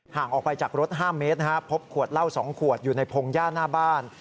ห่างออกไปจากรถ๕เมตรพบขวดเหล้า๒ขวดอยู่ในพงหญ้าหน้าบ้าน